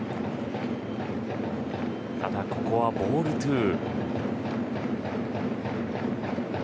ただ、ここはボールツー。